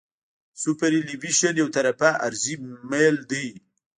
سوپرایلیویشن یو طرفه عرضي میل دی